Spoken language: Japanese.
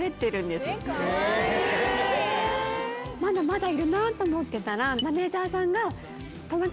まだまだいるなと思ってたら。